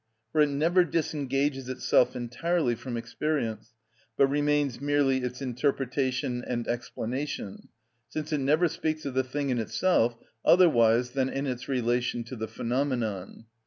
For it never disengages itself entirely from experience, but remains merely its interpretation and explanation, since it never speaks of the thing in itself otherwise than in its relation to the phenomenon.